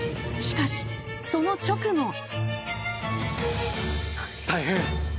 ［しかしその直後］